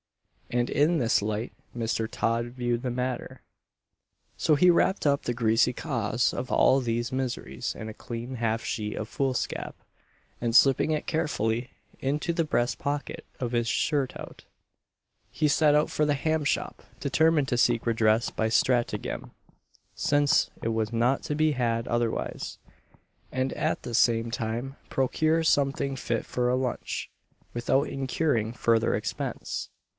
And in this light Mr. Todd viewed the matter. So he wrapped up the greasy cause of all these miseries in a clean half sheet of foolscap, and slipping it carefully into the breast pocket of his surtout, he set out for the ham shop, determined to seek redress by stratagem, since it was not to be had otherwise, and at the same time procure something fit for a lunch, without incurring further expense.